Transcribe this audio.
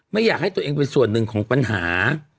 ไม่อยากให้ตัวเองเป็นส่วนหนึ่งของปัญหา